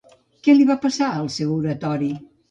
Què li va passar al seu oratori?